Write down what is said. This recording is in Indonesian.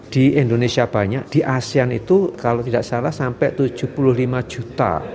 di indonesia banyak di asean itu kalau tidak salah sampai tujuh puluh lima juta